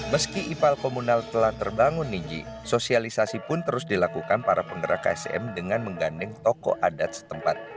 meski ipal komunal telah terbangun niji sosialisasi pun terus dilakukan para penggerak ksm dengan menggandeng toko adat setempat